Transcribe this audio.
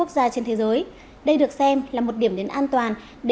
và sau đó bị mù hoàn toàn